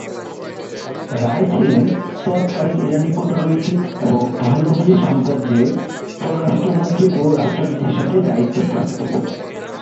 রায় ছিলেন তৎকালীন ইরানি কূটনীতিক এবং পাহলভি সাম্রাজ্যে পররাষ্ট্র মন্ত্রী ও রাষ্ট্রদূত হিসেবে দায়িত্বপ্রাপ্ত।